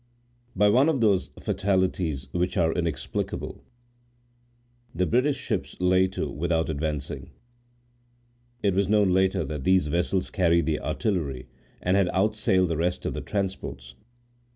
By one of those fatalities which are inexplicable, the British ships lay to without advancing. It was known later that these vessels carried the artillery, and had outsailed the rest of the transports.